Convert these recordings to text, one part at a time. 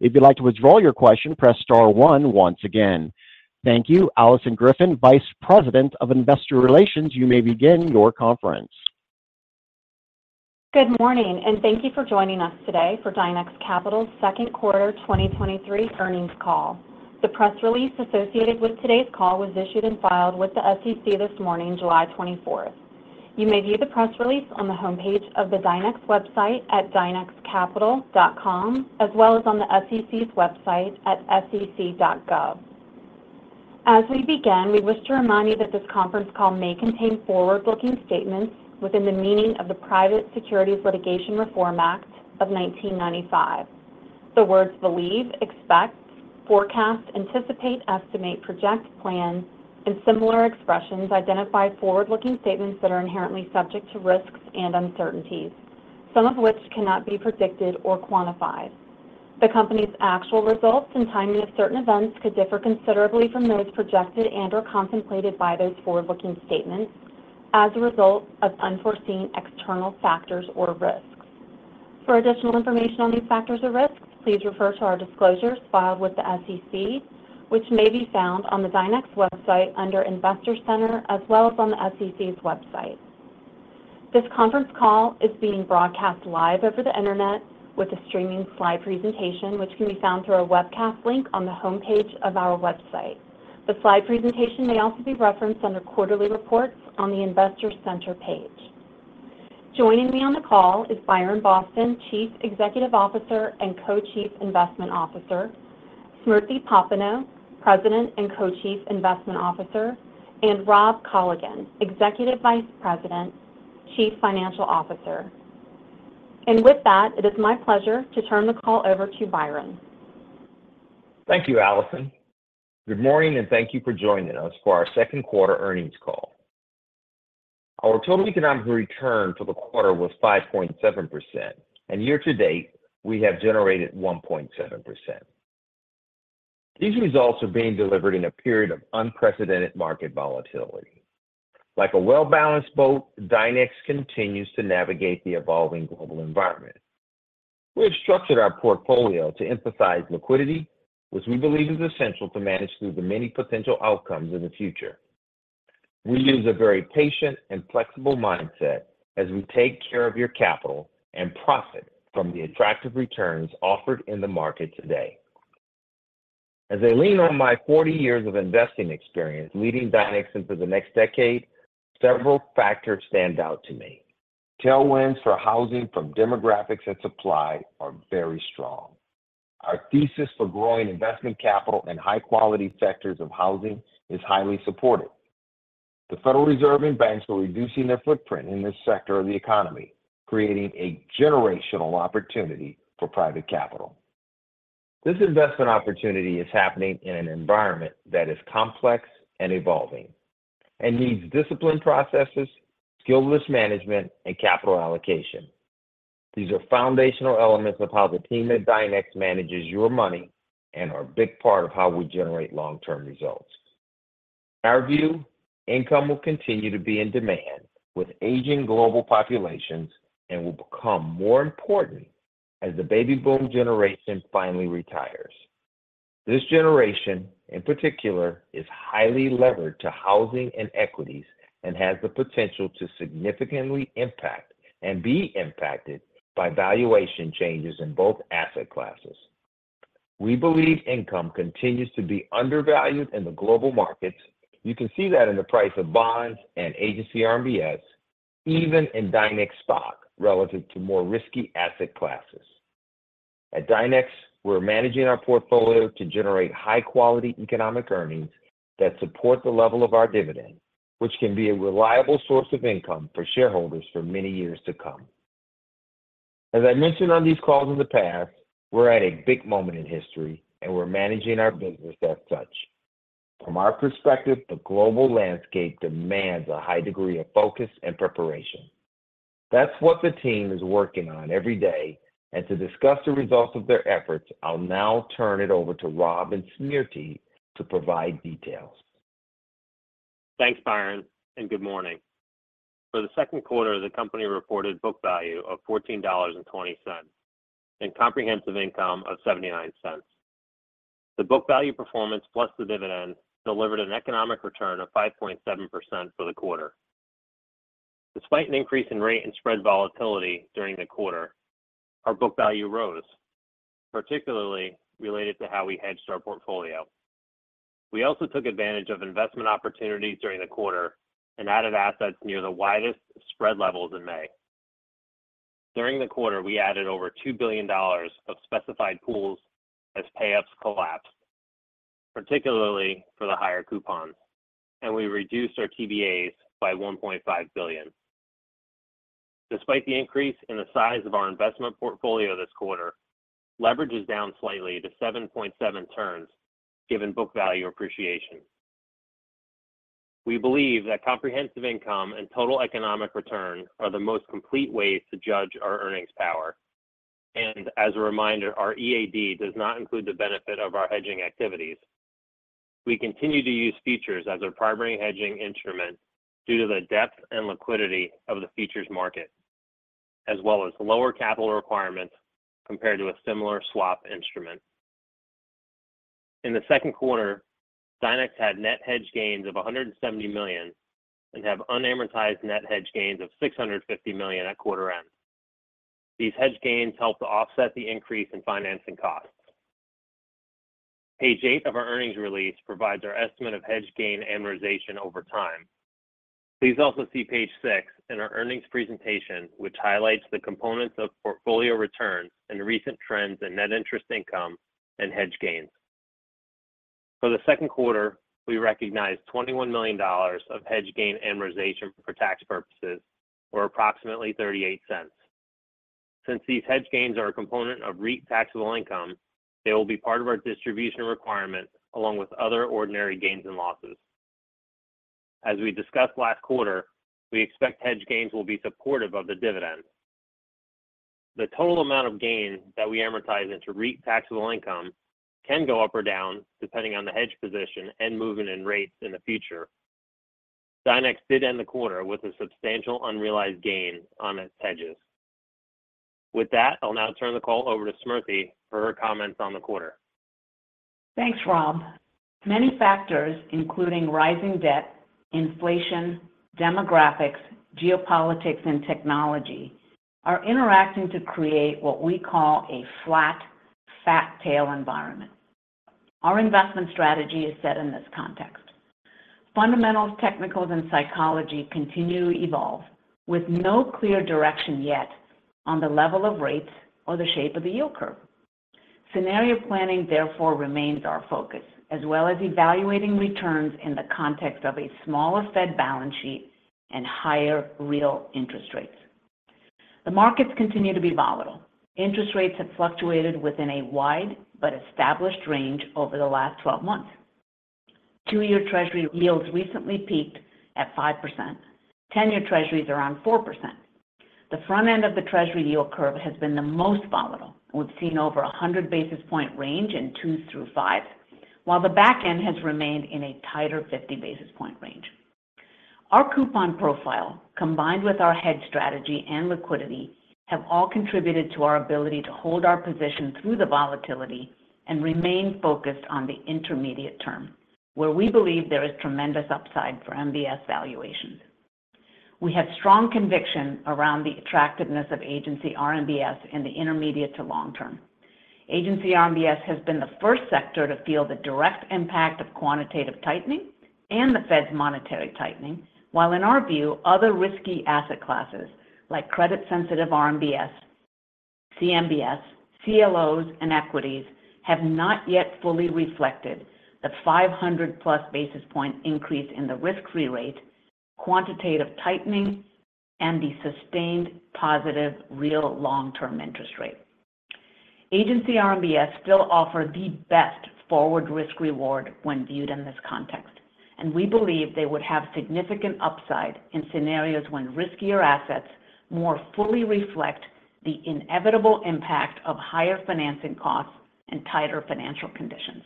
If you'd like to withdraw your question, press star one once again. Thank you. Alison Griffin, Vice President of Investor Relations, you may begin your conference. Good morning, and thank you for joining us today for Dynex Capital's Q2 2023 earnings call. The press release associated with today's call was issued and filed with the SEC this morning, July 24th. You may view the press release on the homepage of the Dynex website at dynexcapital.com, as well as on the SEC's website at sec.gov. As we begin, we wish to remind you that this conference call may contain forward-looking statements within the meaning of the Private Securities Litigation Reform Act of 1995. The words believe, expect, forecast, anticipate, estimate, project, plan, and similar expressions identify forward-looking statements that are inherently subject to risks and uncertainties, some of which cannot be predicted or quantified. The company's actual results and timing of certain events could differ considerably from those projected and/or contemplated by those forward-looking statements as a result of unforeseen external factors or risks. For additional information on these factors or risks, please refer to our disclosures filed with the SEC, which may be found on the Dynex website under Investor Center, as well as on the SEC's website. This conference call is being broadcast live over the Internet with a streaming slide presentation, which can be found through our webcast link on the homepage of our website. The slide presentation may also be referenced under Quarterly Reports on the Investor Center page. Joining me on the call is Byron Boston, Chief Executive Officer and Co-Chief Investment Officer, Smriti Popenoe, President and Co-Chief Investment Officer, and Rob Colligan, Executive Vice President, Chief Financial Officer. With that, it is my pleasure to turn the call over to Byron. Thank you, Alison. Good morning. Thank you for joining us for our Q2 earnings call. Our total economic return for the quarter was 5.7%. Year to date, we have generated 1.7%. These results are being delivered in a period of unprecedented market volatility. Like a well-balanced boat, Dynex continues to navigate the evolving global environment. We have structured our portfolio to emphasize liquidity, which we believe is essential to manage through the many potential outcomes in the future. We use a very patient and flexible mindset as we take care of your capital and profit from the attractive returns offered in the market today. As I lean on my 40 years of investing experience leading Dynex into the next decade, several factors stand out to me. Tailwinds for housing from demographics and supply are very strong. Our thesis for growing investment capital and high quality sectors of housing is highly supported. The Federal Reserve and banks are reducing their footprint in this sector of the economy, creating a generational opportunity for private capital. This investment opportunity is happening in an environment that is complex and evolving and needs disciplined processes, skill risk management, and capital allocation. These are foundational elements of how the team at Dynex manages your money and are a big part of how we generate long-term results. In our view, income will continue to be in demand with aging global populations and will become more important as the baby boom generation finally retires. This generation, in particular, is highly levered to housing and equities and has the potential to significantly impact and be impacted by valuation changes in both asset classes. We believe income continues to be undervalued in the global markets. You can see that in the price of bonds and agency RMBS, even in Dynex stock, relative to more risky asset classes. At Dynex, we're managing our portfolio to generate high-quality economic earnings that support the level of our dividend, which can be a reliable source of income for shareholders for many years to come. As I mentioned on these calls in the past, we're at a big moment in history, and we're managing our business as such. From our perspective, the global landscape demands a high degree of focus and preparation. That's what the team is working on every day, and to discuss the results of their efforts, I'll now turn it over to Rob and Smriti to provide details. Thanks, Byron. Good morning. For the Q2, the company reported book value of $14.20, and comprehensive income of $0.79. The book value performance plus the dividend delivered an economic return of 5.7% for the quarter. Despite an increase in rate and spread volatility during the quarter, our book value rose, particularly related to how we hedged our portfolio. We also took advantage of investment opportunities during the quarter and added assets near the widest spread levels in May. During the quarter, we added over $2 billion of specified pools as pay-ups collapsed, particularly for the higher coupons, and we reduced our TBAs by $1.5 billion. Despite the increase in the size of our investment portfolio this quarter, leverage is down slightly to 7.7 turns, given book value appreciation. We believe that comprehensive income and total economic return are the most complete ways to judge our earnings power. As a reminder, our EAD does not include the benefit of our hedging activities. We continue to use features as our primary hedging instrument due to the depth and liquidity of the features market, as well as lower capital requirements compared to a similar swap instrument. In the Q2, Dynex had net hedge gains of $170 million, and have unamortized net hedge gains of $650 million at quarter end. These hedge gains help to offset the increase in financing costs. Page eight of our earnings release provides our estimate of hedge gain amortization over time. Please also see page six in our earnings presentation, which highlights the components of portfolio returns and recent trends in net interest income and hedge gains. For the Q2, we recognized $21 million of hedge gain amortization for tax purposes, or approximately $0.38. Since these hedge gains are a component of REIT taxable income, they will be part of our distribution requirement, along with other ordinary gains and losses. As we discussed last quarter, we expect hedge gains will be supportive of the dividend. The total amount of gain that we amortize into REIT taxable income can go up or down, depending on the hedge position and movement in rates in the future. Dynex did end the quarter with a substantial unrealized gain on its hedges. With that, I'll now turn the call over to Smriti for her comments on the quarter. Thanks, Rob. Many factors, including rising debt, inflation, demographics, geopolitics, and technology, are interacting to create what we call a flat fat tail environment. Our investment strategy is set in this context. Fundamentals, technicals, and psychology continue to evolve, with no clear direction yet on the level of rates or the shape of the yield curve. Scenario planning therefore remains our focus, as well as evaluating returns in the context of a smaller Fed balance sheet and higher real interest rates. The markets continue to be volatile. Interest rates have fluctuated within a wide but established range over the last 12 months. two-year treasury yields recently peaked at 5%. 10-year treasuries around 4%. The front end of the treasury yield curve has been the most volatile and we've seen over a 100 basis point range in 2s through 5, while the back end has remained in a tighter 50 basis point range. Our coupon profile, combined with our hedge strategy and liquidity, have all contributed to our ability to hold our position through the volatility and remain focused on the intermediate term, where we believe there is tremendous upside for MBS valuations. We have strong conviction around the attractiveness of agency RMBS in the intermediate to long term. agency RMBS has been the first sector to feel the direct impact of quantitative tightening and the Fed's monetary tightening, while in our view, other risky asset classes like credit-sensitive RMBS, CMBS, CLOs, and equities, have not yet fully reflected the 500+ basis point increase in the risk-free rate, quantitative tightening, and the sustained positive, real long-term interest rate. agency RMBS still offer the best forward risk reward when viewed in this context, and we believe they would have significant upside in scenarios when riskier assets more fully reflect the inevitable impact of higher financing costs and tighter financial conditions.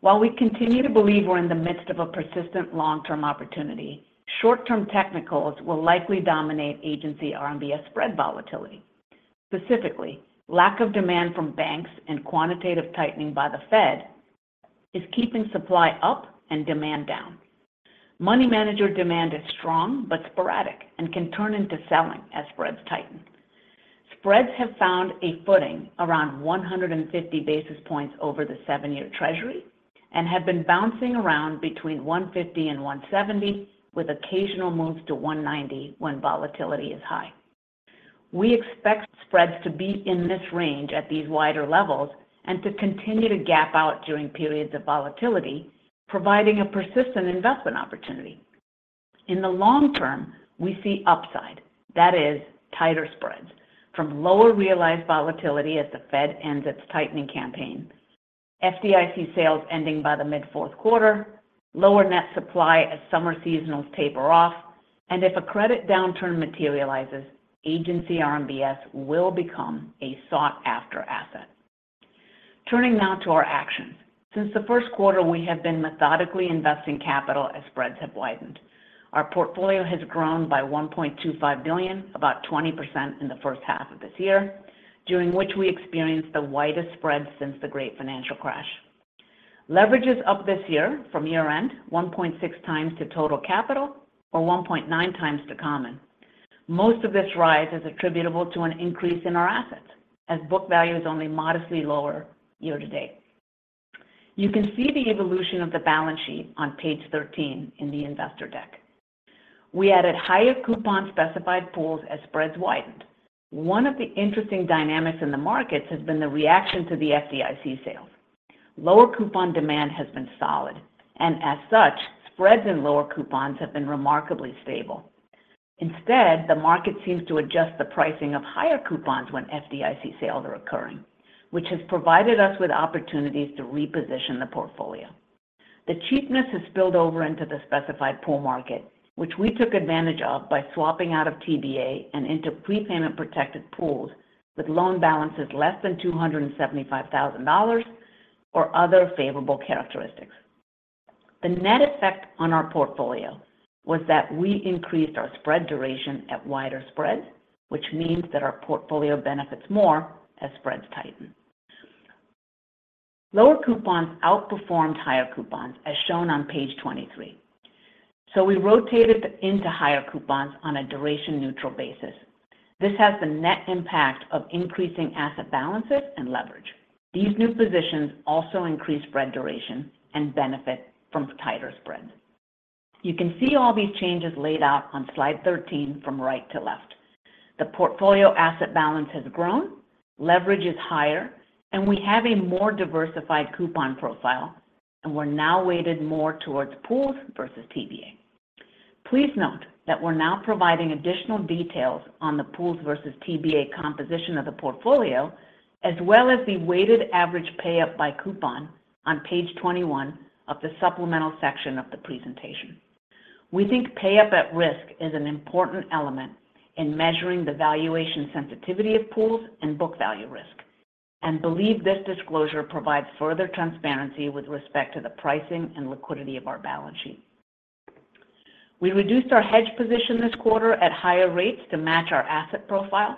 While we continue to believe we're in the midst of a persistent long-term opportunity, short-term technicals will likely dominate agency RMBS spread volatility. Specifically, lack of demand from banks and quantitative tightening by the Fed is keeping supply up and demand down. Money manager demand is strong but sporadic and can turn into selling as spreads tighten. Spreads have found a footing around 150 basis points over the seven-year Treasury and have been bouncing around between 150 and 170, with occasional moves to 190 when volatility is high. We expect spreads to be in this range at these wider levels and to continue to gap out during periods of volatility, providing a persistent investment opportunity. In the long term, we see upside, that is, tighter spreads from lower realized volatility as the Fed ends its tightening campaign. FDIC sales ending by the mid Q4, lower net supply as summer seasonals taper off, and if a credit downturn materializes, agency RMBS will become a sought-after asset. Turning now to our actions. Since the Q1, we have been methodically investing capital as spreads have widened. Our portfolio has grown by $1.25 billion, about 20% in the first half of this year, during which we experienced the widest spreads since the great financial crash. Leverage is up this year from year-end, 1.6x to total capital or 1.9x to common. Most of this rise is attributable to an increase in our assets, as book value is only modestly lower year to date. You can see the evolution of the balance sheet on page 13 in the investor deck. We added higher coupon specified pools as spreads widened. One of the interesting dynamics in the markets has been the reaction to the FDIC sales. Lower coupon demand has been solid, and as such, spreads in lower coupons have been remarkably stable. Instead, the market seems to adjust the pricing of higher coupons when FDIC sales are occurring, which has provided us with opportunities to reposition the portfolio. The cheapness has spilled over into the specified pool market, which we took advantage of by swapping out of TBA and into prepayment-protected pools with loan balances less than $275,000 or other favorable characteristics. The net effect on our portfolio was that we increased our spread duration at wider spreads, which means that our portfolio benefits more as spreads tighten. Lower coupons outperformed higher coupons, as shown on page 23. We rotated into higher coupons on a duration-neutral basis. This has the net impact of increasing asset balances and leverage. These new positions also increase spread duration and benefit from tighter spreads. You can see all these changes laid out on slide 13 from right to left. The portfolio asset balance has grown, leverage is higher, and we have a more diversified coupon profile, and we're now weighted more towards pools versus TBA. Please note that we're now providing additional details on the pools versus TBA composition of the portfolio, as well as the weighted average pay-up by coupon on page 21 of the supplemental section of the presentation. We think pay-up at risk is an important element in measuring the valuation sensitivity of pools and book value risk, and believe this disclosure provides further transparency with respect to the pricing and liquidity of our balance sheet. We reduced our hedge position this quarter at higher rates to match our asset profile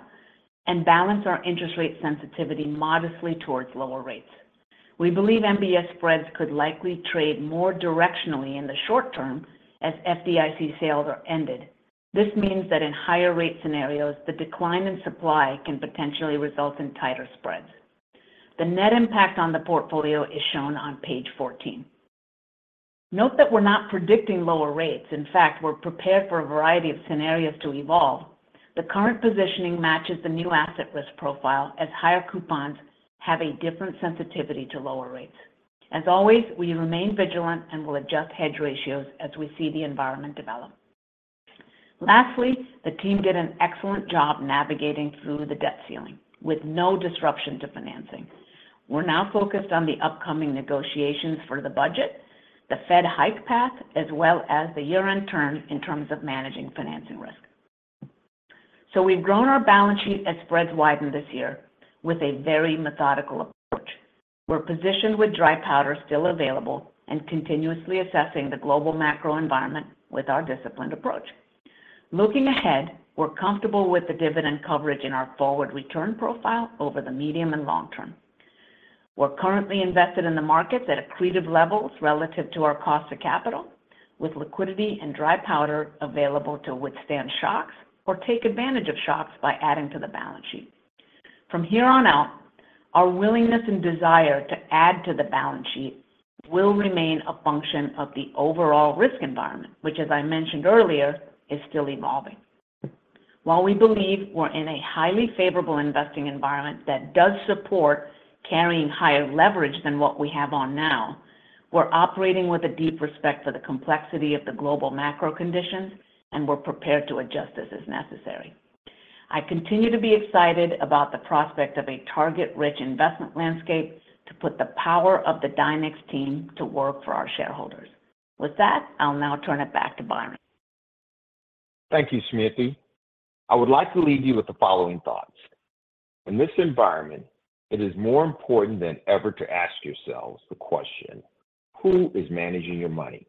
and balanced our interest rate sensitivity modestly towards lower rates. We believe MBS spreads could likely trade more directionally in the short term as FDIC sales are ended. This means that in higher rate scenarios, the decline in supply can potentially result in tighter spreads. The net impact on the portfolio is shown on page 14. Note that we're not predicting lower rates. We're prepared for a variety of scenarios to evolve. The current positioning matches the new asset risk profile, as higher coupons have a different sensitivity to lower rates. We remain vigilant and will adjust hedge ratios as we see the environment develop. The team did an excellent job navigating through the debt ceiling with no disruption to financing. We're now focused on the upcoming negotiations for the budget, the Fed hike path, as well as the year-end term in terms of managing financing risk. We've grown our balance sheet as spreads widen this year with a very methodical approach. We're positioned with dry powder still available and continuously assessing the global macro environment with our disciplined approach. Looking ahead, we're comfortable with the dividend coverage in our forward return profile over the medium and long term. We're currently invested in the markets at accretive levels relative to our cost of capital, with liquidity and dry powder available to withstand shocks or take advantage of shocks by adding to the balance sheet. From here on out, our willingness and desire to add to the balance sheet will remain a function of the overall risk environment, which, as I mentioned earlier, is still evolving. While we believe we're in a highly favorable investing environment that does support carrying higher leverage than what we have on now, we're operating with a deep respect for the complexity of the global macro conditions, and we're prepared to adjust this as necessary. I continue to be excited about the prospect of a target-rich investment landscape to put the power of the Dynex team to work for our shareholders. With that, I'll now turn it back to Byron. Thank you, Smriti. I would like to leave you with the following thoughts: In this environment, it is more important than ever to ask yourselves the question, who is managing your money?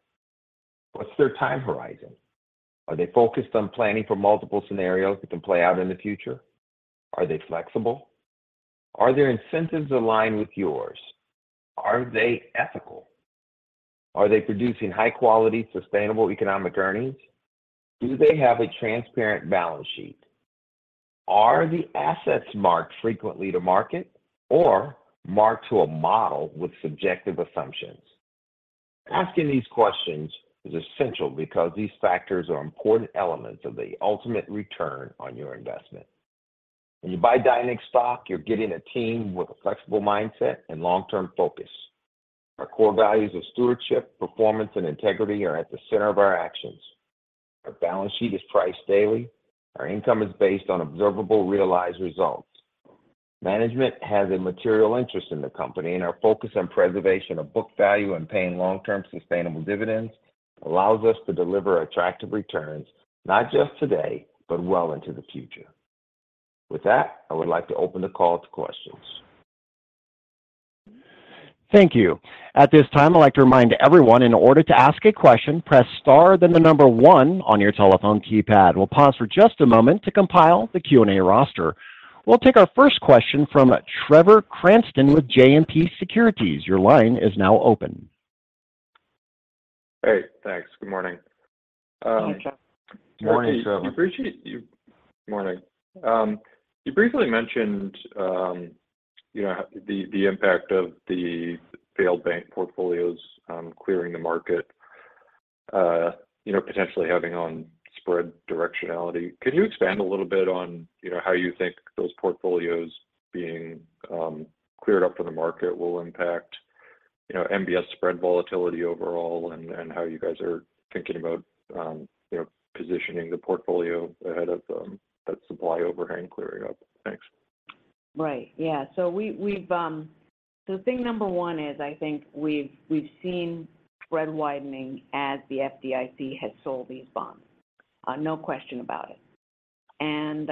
What's their time horizon? Are they focused on planning for multiple scenarios that can play out in the future? Are they flexible? Are their incentives aligned with yours? Are they ethical? Are they producing high-quality, sustainable economic earnings? Do they have a transparent balance sheet? Are the assets marked frequently to market or marked to a model with subjective assumptions? Asking these questions is essential because these factors are important elements of the ultimate return on your investment. When you buy Dynex stock, you're getting a team with a flexible mindset and long-term focus. Our core values of stewardship, performance, and integrity are at the center of our actions. Our balance sheet is priced daily. Our income is based on observable, realized results. Management has a material interest in the company. Our focus on preservation of book value and paying long-term sustainable dividends allows us to deliver attractive returns, not just today, but well into the future. With that, I would like to open the call to questions. Thank you. At this time, I'd like to remind everyone, in order to ask a question, press star, then the number one on your telephone keypad. We'll pause for just a moment to compile the Q&A roster. We'll take our first question from Trevor Cranston with JMP Securities. Your line is now open. Hey, thanks. Good morning. Good morning. Morning, Trevor. Morning. You briefly mentioned, you know, the impact of the failed bank portfolios clearing the market, you know, potentially having on spread directionality. Can you expand a little bit on, you know, how you think those portfolios being cleared up from the market will impact, you know, MBS spread volatility overall and how you guys are thinking about, you know, positioning the portfolio ahead of that supply overhang clearing up? Thanks. Right. Yeah. We've seen spread widening as the FDIC has sold these bonds. No question about it.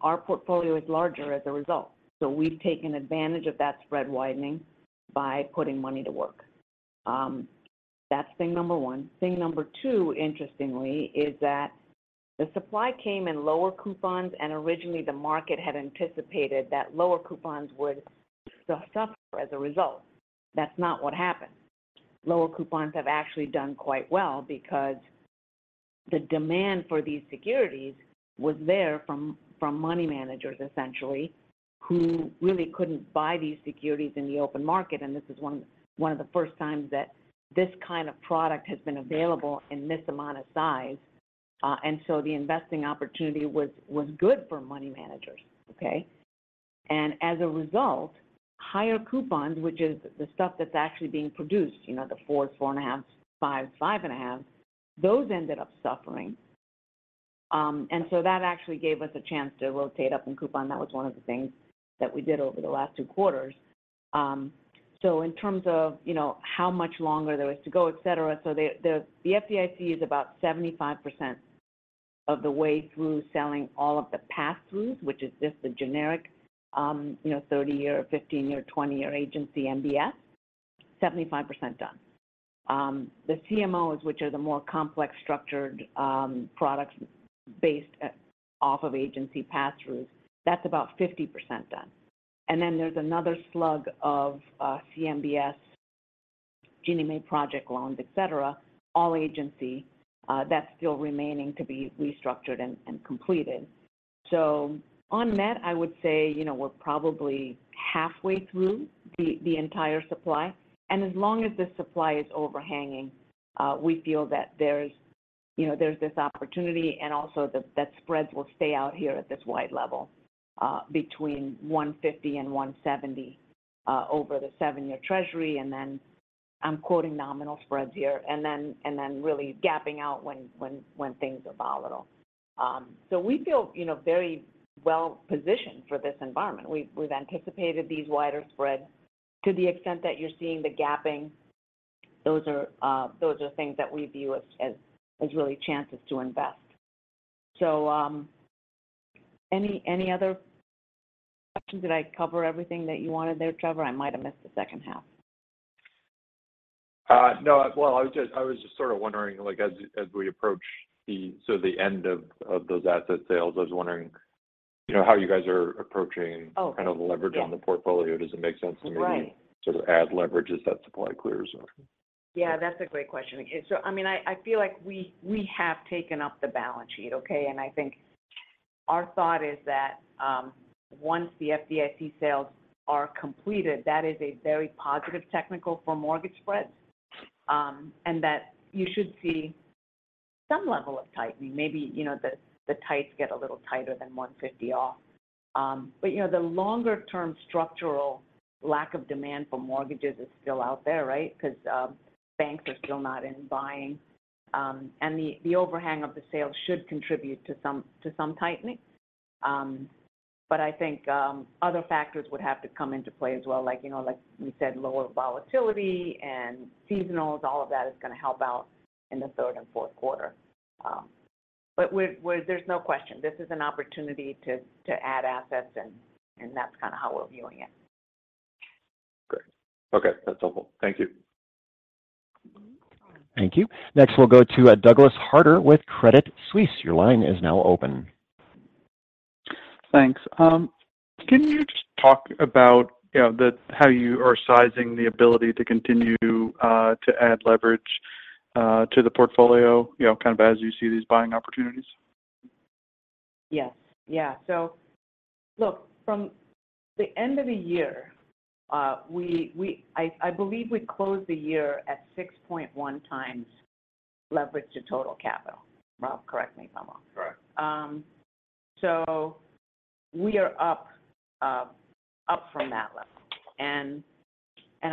Our portfolio is larger as a result. We've taken advantage of that spread widening by putting money to work. That's thing number one. Thing number two, interestingly, is that the supply came in lower coupons, originally the market had anticipated that lower coupons would still suffer as a result. That's not what happened. Lower coupons have actually done quite well because the demand for these securities was there from money managers essentially, who really couldn't buy these securities in the open market, this is one of the first times that this kind of product has been available in this amount of size. The investing opportunity was good for money managers, okay? As a result, higher coupons, which is the stuff that's actually being produced, you know, the fours, four and a half, fives, five and a half, those ended up suffering. That actually gave us a chance to rotate up in coupon. That was one of the things that we did over the last two quarters. In terms of, you know, how much longer there is to go, et cetera, the FDIC is about 75% of the way through selling all of the pass-throughs, which is just the generic, you know, 30-year, 15-year, 20-year agency MBS, 75% done. The CMOs, which are the more complex structured products based at, off of agency pass-throughs, that's about 50% done. There's another slug of CMBS, Ginnie Mae project loans, et cetera, all agency that's still remaining to be restructured and completed. On net, I would say, you know, we're probably halfway through the entire supply, and as long as the supply is overhanging, we feel that there's, you know, there's this opportunity and also that spreads will stay out here at this wide level, between 150 and 170, over the seven-year Treasury. I'm quoting nominal spreads here, and then really gapping out when things are volatile. We feel, you know, very well positioned for this environment. We've anticipated these wider spreads to the extent that you're seeing the gapping. Those are, those are things that we view as really chances to invest. Any other questions? Did I cover everything that you wanted there, Trevor? I might have missed the second half. No. Well, I was just sort of wondering, like, as we approach the end of those asset sales, I was wondering, you know, how you guys are approaching-. Oh. kind of leverage- Yeah... on the portfolio. Does it make sense to maybe? Right... sort of add leverage as that supply clears or? Yeah, that's a great question. I mean, I feel like we have taken up the balance sheet, okay? I think our thought is that once the FDIC sales are completed, that is a very positive technical for mortgage spreads, and that you should see some level of tightening. Maybe, you know, the tights get a little tighter than 150 off. You know, the longer term structural lack of demand for mortgages is still out there, right? Because banks are still not in buying, and the overhang of the sales should contribute to some, to some tightening. I think other factors would have to come into play as well, like, you know, like we said, lower volatility and seasonals, all of that is gonna help out in the Q3 and Q4. We're there's no question this is an opportunity to add assets, and that's kind of how we're viewing it. Great. Okay, that's helpful. Thank you. Thank you. Next, we'll go to Douglas Harter with Credit Suisse. Your line is now open. Thanks. Can you just talk about, you know, how you are sizing the ability to continue to add leverage to the portfolio, you know, kind of as you see these buying opportunities? Yes. Yeah. look, from the end of the year, we believe we closed the year at 6.1 times leverage to total capital. Rob, correct me if I'm wrong. Correct. We are up from that level, and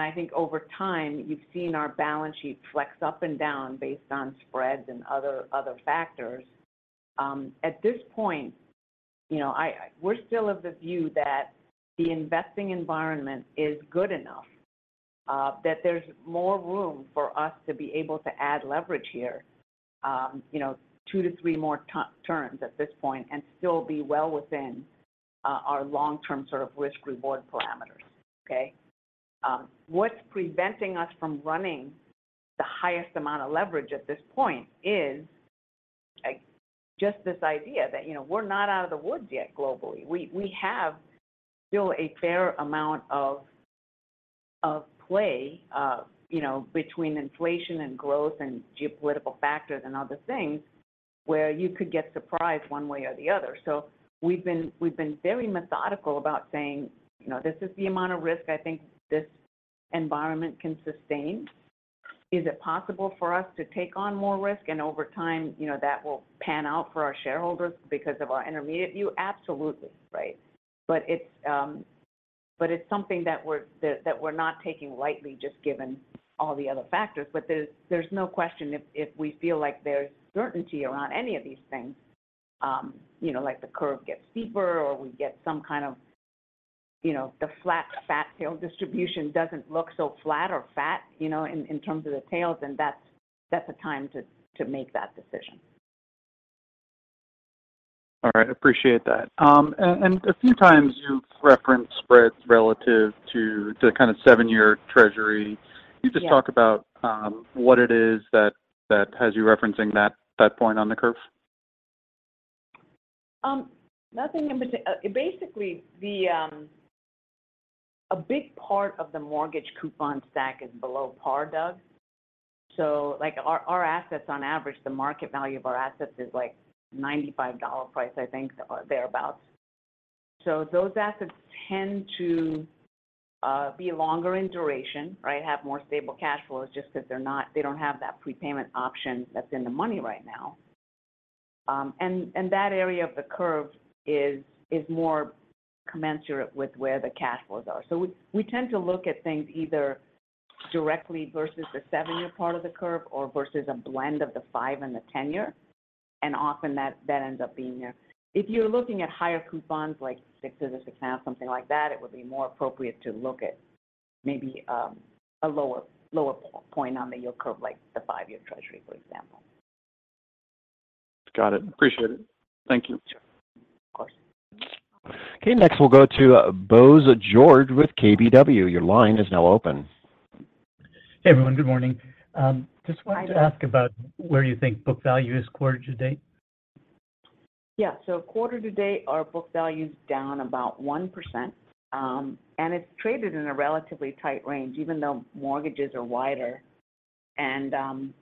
I think over time, you've seen our balance sheet flex up and down based on spreads and other factors. At this point, you know, we're still of the view that the investing environment is good enough, that there's more room for us to be able to add leverage here, you know, 2 to 3 more terms at this point, and still be well within our long-term sort of risk-reward parameters, okay? What's preventing us from running the highest amount of leverage at this point is just this idea that, you know, we're not out of the woods yet globally. We have still a fair amount of play, you know, between inflation and growth and geopolitical factors and other things, where you could get surprised one way or the other. We've been very methodical about saying: You know, this is the amount of risk I think this environment can sustain. Is it possible for us to take on more risk, and over time, you know, that will pan out for our shareholders because of our intermediate view? Absolutely right. It's something that we're not taking lightly, just given all the other factors. There's no question if we feel like there's certainty around any of these things, you know, like the curve gets steeper or we get some kind of... you know, the flat fat tail distribution doesn't look so flat or fat, you know, in terms of the tails, and that's a time to make that decision. All right, appreciate that. A few times you've referenced spreads relative to the kind of seven-year treasury. Yeah. Can you just talk about what it is that has you referencing that point on the curve? Nothing basically, the, a big part of the mortgage coupon stack is below par, Doug. Like our assets, on average, the market value of our assets is like $95 price, I think, or thereabout. Those assets tend to be longer in duration, right? Have more stable cash flows just because they don't have that prepayment option that's in the money right now. That area of the curve is more commensurate with where the cash flows are. We tend to look at things either directly versus the seven-year part of the curve or versus a blend of the five and the ten-year, and often that ends up being there. If you're looking at higher coupons, like 6s or 6.5, something like that, it would be more appropriate to look at maybe a lower point on the yield curve, like the five-year treasury, for example. Got it. Appreciate it. Thank you. Of course. Okay, next we'll go to Bose George with KBW. Your line is now open. Hey, everyone. Good morning. Hi, Bose.... to ask about where you think book value is quarter to date. Quarter to date, our book value is down about 1%, and it's traded in a relatively tight range, even though mortgages are wider and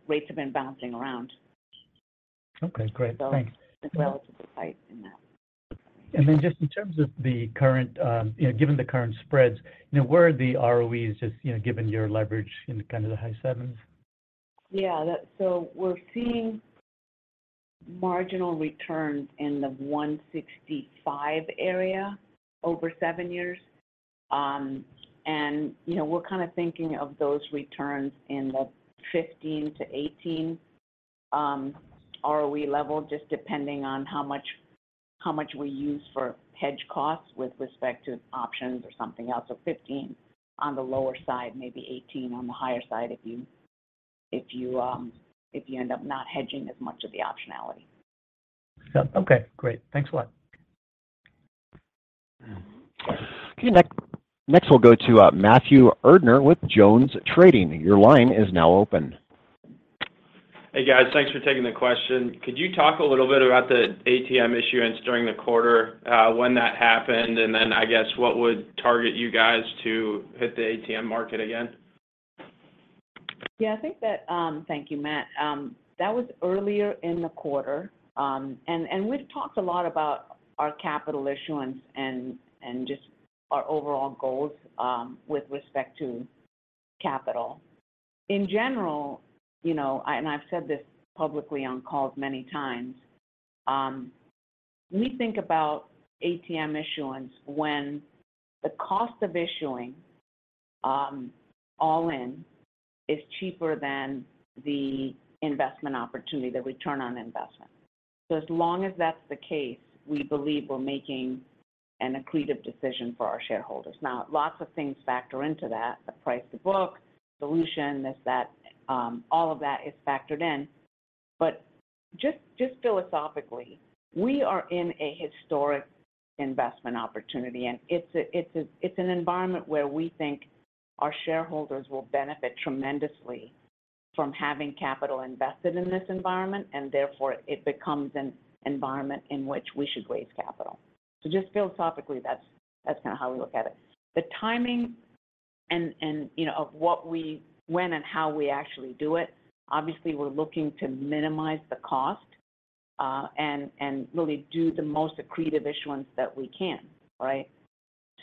rates have been bouncing around. Okay, great. Thanks. It's relatively tight in that. Just in terms of the current, you know, given the current spreads, you know, where are the ROEs, just, you know, given your leverage in the kind of the high sevens? Yeah, that we're seeing marginal returns in the 165 area over seven years. You know, we're kind of thinking of those returns in the 15%-18% ROE level, just depending on how much we use for hedge costs with respect to options or something else. 15% on the lower side, maybe 18% on the higher side, if you end up not hedging as much of the optionality. Yeah. Okay, great. Thanks a lot. Okay, next we'll go to Matthew Erdner with Jones Trading. Your line is now open. Hey, guys. Thanks for taking the question. Could you talk a little bit about the ATM issuance during the quarter, when that happened? I guess, what would target you guys to hit the ATM market again? Yeah, I think that. Thank you, Matt. That was earlier in the quarter. We've talked a lot about our capital issuance and just our overall goals, with respect to capital. In general, you know, I, and I've said this publicly on calls many times, we think about ATM issuance when the cost of issuing, all-in is cheaper than the investment opportunity, the return on investment. As long as that's the case, we believe we're making an accretive decision for our shareholders. Lots of things factor into that. The price to book, dilution, this, that, all of that is factored in. Just philosophically, we are in a historic investment opportunity, and it's an environment where we think our shareholders will benefit tremendously from having capital invested in this environment, and therefore, it becomes an environment in which we should raise capital. Just philosophically, that's kind of how we look at it. The timing and, you know, of when and how we actually do it, obviously, we're looking to minimize the cost and really do the most accretive issuance that we can, right?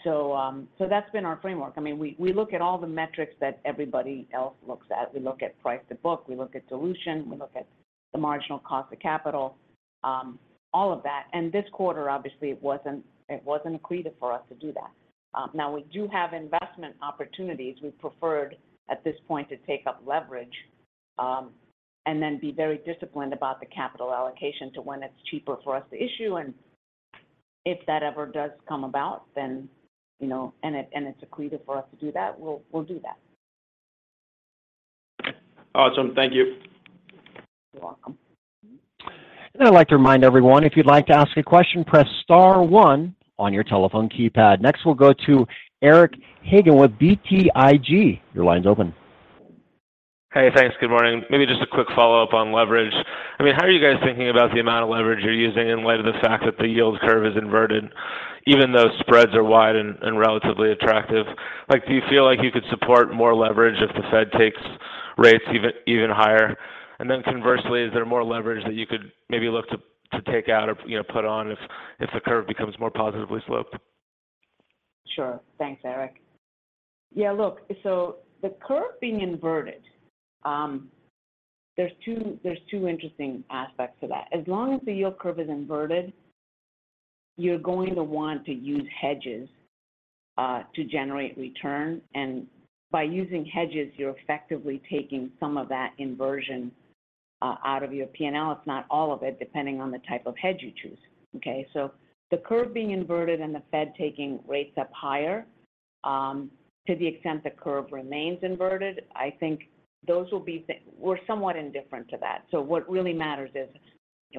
That's been our framework. I mean, we look at all the metrics that everybody else looks at. We look at price to book, we look at dilution, we look at the marginal cost of capital, all of that. This quarter, obviously, it wasn't accretive for us to do that. now, we do have investment opportunities. We preferred at this point, to take up leverage, and then be very disciplined about the capital allocation to when it's cheaper for us to issue. If that ever does come about, then, you know, and it's accretive for us to do that, we'll do that. Awesome. Thank you. You're welcome. I'd like to remind everyone, if you'd like to ask a question, press star one on your telephone keypad. We'll go to Eric Hagen with BTIG. Your line's open. Hey, thanks. Good morning. Maybe just a quick follow-up on leverage. I mean, how are you guys thinking about the amount of leverage you're using in light of the fact that the yield curve is inverted, even though spreads are wide and relatively attractive? Like, do you feel like you could support more leverage if the Fed takes rates even higher? Conversely, is there more leverage that you could maybe look to take out or, you know, put on if the curve becomes more positively sloped? Sure. Thanks, Eric. Yeah, look, the curve being inverted, there's two interesting aspects to that. As long as the yield curve is inverted, you're going to want to use hedges to generate return. By using hedges, you're effectively taking some of that inversion out of your P&L, if not all of it, depending on the type of hedge you choose, okay? The curve being inverted and the Fed taking rates up higher, to the extent the curve remains inverted, I think those will be we're somewhat indifferent to that. What really matters is,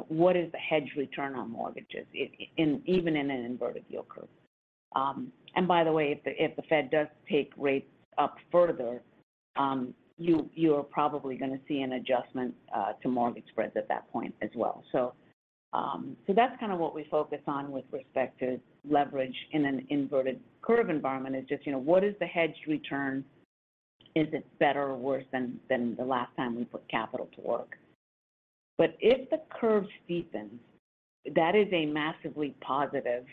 what is the hedge return on mortgages even in an inverted yield curve? By the way, if the Fed does take rates up further, you are probably gonna see an adjustment to mortgage spreads at that point as well. That's kind of what we focus on with respect to leverage in an inverted curve environment is just, you know, what is the hedged return? Is it better or worse than the last time we put capital to work? If the curve steepens, that is a massively positive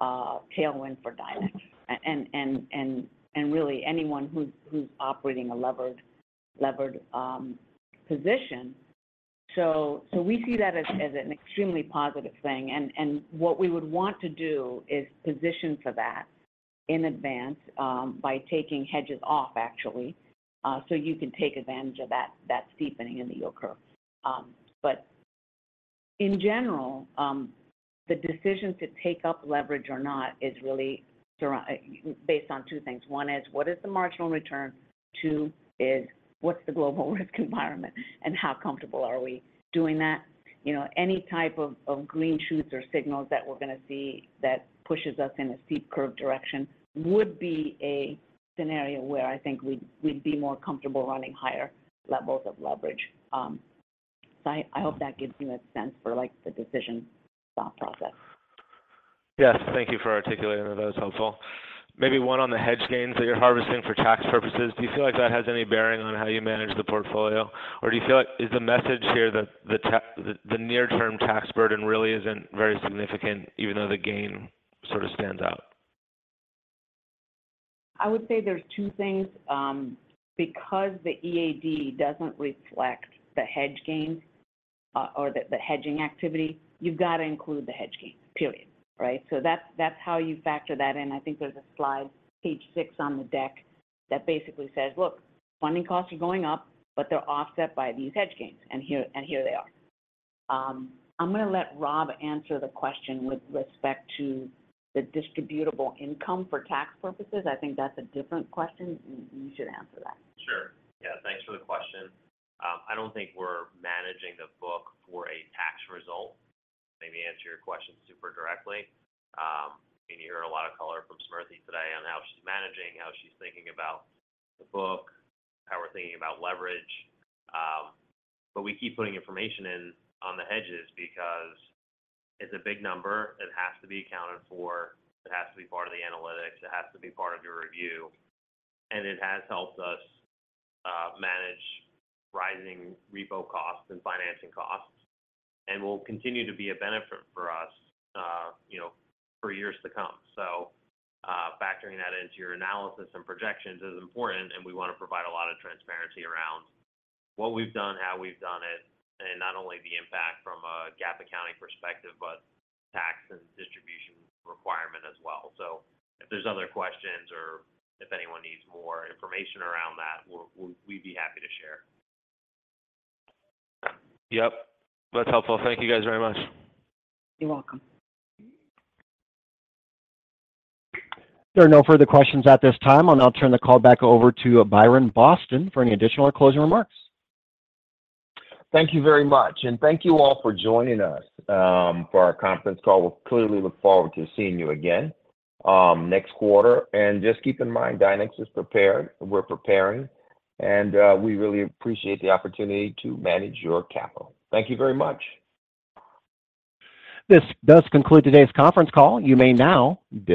tailwind for Dynex and really anyone who's operating a levered position. We see that as an extremely positive thing, and what we would want to do is position for that in advance by taking hedges off, actually. You can take advantage of that steepening in the yield curve. In general, the decision to take up leverage or not is really based on two things. One is: what is the marginal return? Two is: what's the global risk environment and how comfortable are we doing that? You know, any type of green shoots or signals that we're gonna see that pushes us in a steep curve direction would be a scenario where I think we'd be more comfortable running higher levels of leverage. I hope that gives you a sense for, like, the decision thought process. Thank you for articulating that. That was helpful. Maybe one on the hedge gains that you're harvesting for tax purposes. Do you feel like that has any bearing on how you manage the portfolio? Is the message here that the near-term tax burden really isn't very significant, even though the gain sort of stands out? I would say there's 2 things. Because the EAD doesn't reflect the hedge gains, or the hedging activity, you've got to include the hedge gains, period, right? That's how you factor that in. I think there's a slide, page 6 on the deck, that basically says, "Look, funding costs are going up, but they're offset by these hedge gains, and here they are." I'm gonna let Rob answer the question with respect to the distributable income for tax purposes. I think that's a different question. You should answer that. Sure. Yeah, thanks for the question. I don't think we're managing the book for a tax result, maybe answer your question super directly. You heard a lot of color from Smriti today on how she's managing, how she's thinking about the book, how we're thinking about leverage. We keep putting information in on the hedges because it's a big number that has to be accounted for. It has to be part of the analytics, it has to be part of your review, and it has helped us manage rising repo costs and financing costs, and will continue to be a benefit for us, you know, for years to come. Factoring that into your analysis and projections is important, and we want to provide a lot of transparency around what we've done, how we've done it, and not only the impact from a GAAP accounting perspective, but tax and distribution requirement as well. If there's other questions or if anyone needs more information around that, we'd be happy to share. Yep, that's helpful. Thank you, guys, very much. You're welcome. There are no further questions at this time. I'll now turn the call back over to Byron Boston for any additional or closing remarks. Thank you very much. Thank you all for joining us for our conference call. We'll clearly look forward to seeing you again next quarter. Just keep in mind, Dynex is prepared, we're preparing, and we really appreciate the opportunity to manage your capital. Thank you very much! This does conclude today's conference call. You may now disconnect.